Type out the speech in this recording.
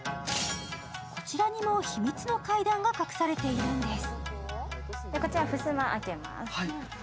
こちらにも秘密の階段が隠されているんです。